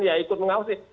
ya ikut mengawasi